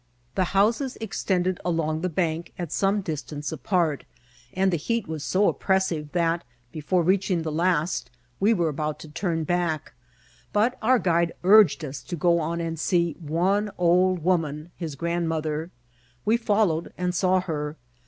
The houses extended ^ng the bank, at some dis* tanoe apart ; and the heat was so oppressive that, be« tote reaching the last, we w^e about to turn back ; but our guide urged us to go on and see ^^ one old woman," his grandmother. We followed and saw her.